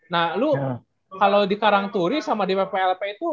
nah lu kalau di karangturi sama di pplp itu